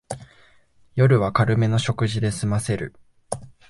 夜は軽めの食事ですませる